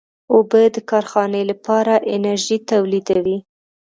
اوبه د کارخانې لپاره انرژي تولیدوي.